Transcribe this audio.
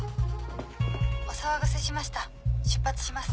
お騒がせしました出発します。